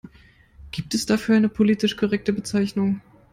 Gibt es dafür eine politisch korrekte Bezeichnung?